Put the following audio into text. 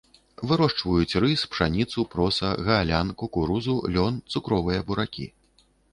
Вырошчваюць рыс, пшаніцу, проса, гаалян, кукурузу, лён, цукровыя буракі.